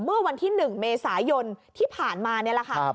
เมื่อวันที่๑เมษายนที่ผ่านมานี่แหละค่ะ